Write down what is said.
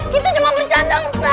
kita cuma beli candang ustadz